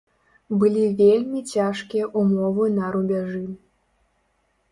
Былі вельмі цяжкія ўмовы на рубяжы.